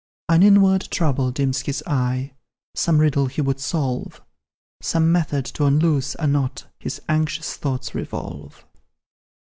An inward trouble dims his eye, Some riddle he would solve; Some method to unloose a knot, His anxious thoughts revolve.